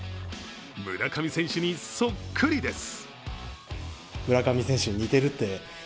村上選手にそっくりです。